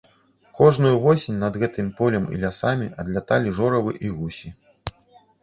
Кожную восень над гэтым полем і лясамі адляталі жоравы і гусі.